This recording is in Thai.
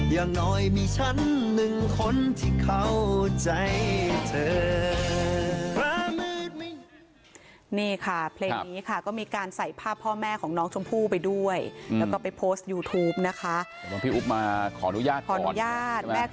อย่างน้อยมีฉันหนึ่งคนที่เข้าใจเธอ